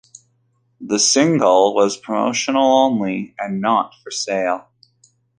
The single was promotional only, and not for sale.